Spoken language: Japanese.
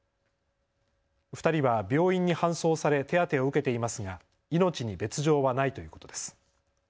２人は病院に搬送され手当てを受けていますが命に別状はないということです。